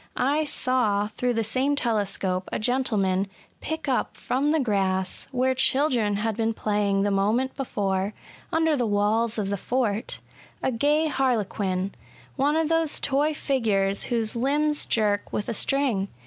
I saw, through the same telescope, a gentleman pick up from the grass, where children had been playing the moment before, under the walls of the fort, a gay harlequin — one of those toy figures whose limbs jerk with a string.